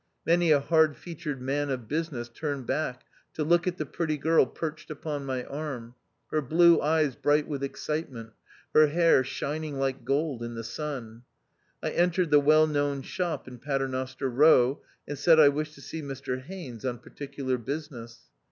Many a hard featured man of business turned back to look at the pretty child perched upon my arm, her blue eyes bright with excitement, her hair shining like gold in the sun. I en tered the well known shop in Paternoster Row, and said I wished to see Mr Haines on particular business.